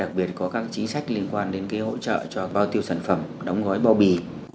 huyện bùi văn huyện có những ưu tiên liên quan đến hỗ trợ cho bao tiêu sản phẩm đóng gói bao bì